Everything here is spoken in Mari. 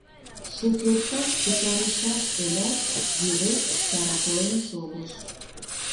Шукертак пытарышаш ылят, йӱрет чараклен шогыш...